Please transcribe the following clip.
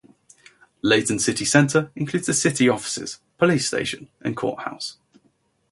Layton's City Center includes the city offices, police station, and courthouse.